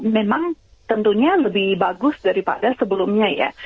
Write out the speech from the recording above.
memang tentunya lebih bagus daripada sebelumnya ya